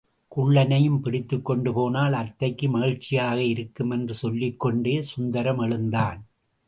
குள்ளனையும் பிடித்துக்கொண்டு போனால் அத்தைக்கு மகிழ்ச்சியாக இருக்கும் என்று சொல்லிக்கொண்டே சுந்தரம் எழுந்தான்.